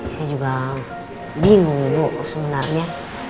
saya juga bingung bu sebenarnya